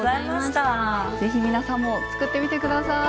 是非皆さんも作ってみて下さい。